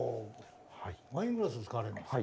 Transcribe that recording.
ワイングラス使われるんですか？